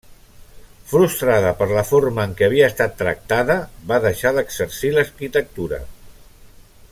Frustrada per la forma en què havia estat tractada va deixar d'exercir l'arquitectura.